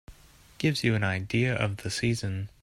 Gives you an idea of the season.